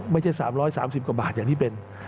ไม่ใช่๓๓๐กว่าบาทนี่เป็น